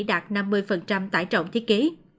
tại bến xe mỹ đạt năm mươi tải trọng thiết ký